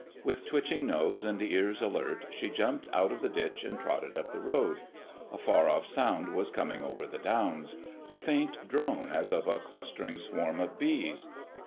With twitching nose and ears alert, she jumped out of the ditch and trotted up the road. A far off sound was coming over the downs—a faint drone as of a clustering swarm of bees.